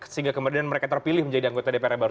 sehingga kemudian mereka terpilih menjadi anggota dpr yang baru